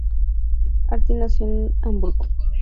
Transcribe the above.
Artin nació en Hamburgo, Alemania, y creció en Indiana.